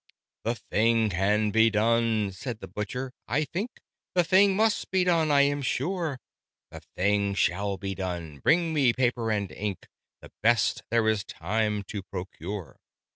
"The thing can be done," said the Butcher, "I think. The thing must be done, I am sure. The thing shall be done! Bring me paper and ink, The best there is time to procure."